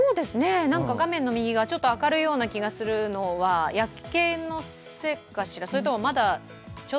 画面右側、ちょっと明るいような気がするのは、夜景のせいかしら、それともまだ？